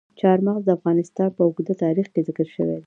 چار مغز د افغانستان په اوږده تاریخ کې ذکر شوي دي.